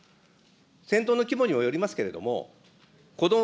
戦闘の規模にもよりますけれども、こども・